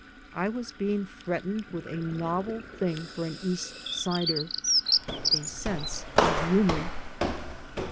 I was being threatened with a novel thing for an East Sider — ^a sense of humor.